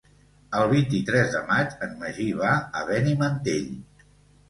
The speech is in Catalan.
El vint-i-tres de maig en Magí va a Benimantell.